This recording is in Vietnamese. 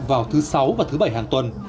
vào thứ sáu và thứ bảy hàng tuần